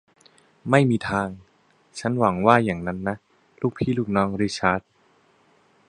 ไม่มีทาง ฉันหวังว่าอย่างนั้นนะ ลูกพี่ลูกน้องริชาร์ด